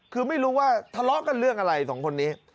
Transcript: คือไม่รู้ว่าทะเลาะกันเรื่องอะไรสองคนนี้